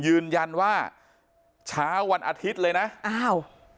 ยืนยันว่าเช้าวันอาทิตย์เลยนะอ้าว